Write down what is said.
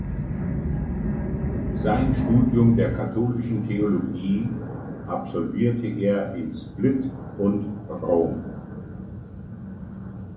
Sein Studium der Katholischen Theologie absolvierte er in Split und Rom.